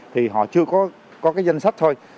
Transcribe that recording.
thì họ chưa có cái danh sách thôi